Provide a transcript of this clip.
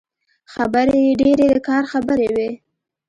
خبرې يې ډېرې د کار خبرې وې.